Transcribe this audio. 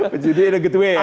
penjudinya ada gitu ya ya